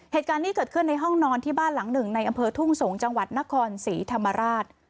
เหตุการณ์นี้เกิดขึ้นในห้องนอนที่บ้านหลังหนึ่งในอำเภอทุ่งสงศ์จังหวัดนครศรีธรรมราช